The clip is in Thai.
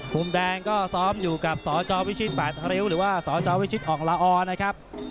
มุมแดงก็ซ้อมอยู่กับสจวิชิต๘ริ้วหรือว่าสจวิชิตอ่องละออนะครับ